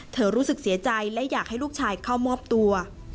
รู้สึกเสียใจและอยากให้ลูกชายเข้ามอบตัว